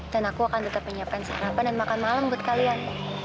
dan aku akan tetap menyiapkan sarapan dan makan malam buat kalian